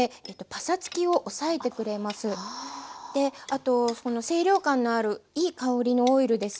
あと清涼感のあるいい香りのオイルですので